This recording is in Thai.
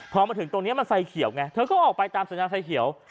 พอมาถึงตรงนี้มันไฟเขียวไงเธอก็ออกไปตามสัญญาณไฟเขียว